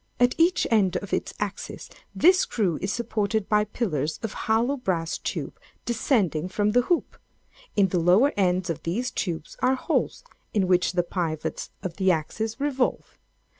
At each end of its axis this screw is supported by pillars of hollow brass tube descending from the hoop. In the lower ends of these tubes are holes in which the pivots of the axis revolve.